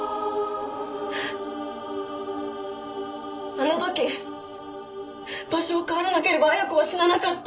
あの時場所を変わらなければ恵子は死ななかった。